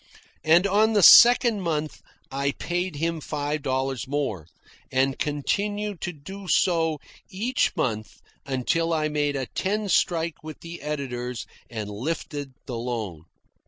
And on the second month I paid him five dollars more, and continued so to do each month until I made a ten strike with the editors and lifted the loan.